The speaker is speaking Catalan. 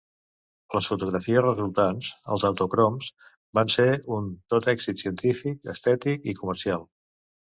Les fotografies resultants- els autocroms- van ser un tot èxit científic, estètic i comercial.